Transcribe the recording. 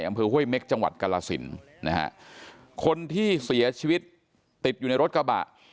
อำเภอห้วยเม็กจังหวัดกรสินนะฮะคนที่เสียชีวิตติดอยู่ในรถกระบะ